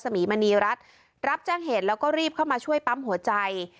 ทางเจ้าหน้าที่กู้ภัยมูลนิธิธรรมรสมิมณีรัฐรับจ้างเหตุแล้วก็รีบเข้ามาช่วยปั๊มหัวใจ